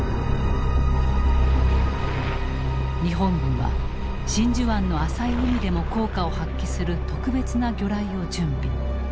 日本軍は真珠湾の浅い海でも効果を発揮する特別な魚雷を準備。